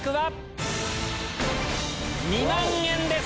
２万円です！